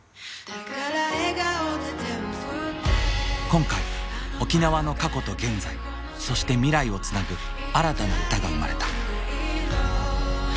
今回沖縄の過去と現在そして未来をつなぐ新たな歌が生まれた。